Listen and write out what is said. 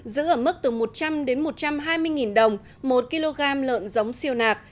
giữ ở mức từ một trăm linh đến một trăm hai mươi đồng một kg lợn giống siêu nạc